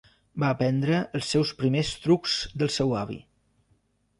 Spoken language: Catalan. Va aprendre els seus primers trucs del seu avi.